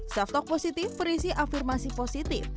self stok positif berisi afirmasi positif